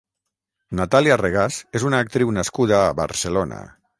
Natalia Regás és una actriu nascuda a Barcelona.